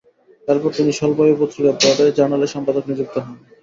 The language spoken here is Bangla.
এরপর তিনি স্বল্পায়ু পত্রিকা ব্রডওয়ে জার্নাল-এর সম্পাদক নিযুক্ত হন।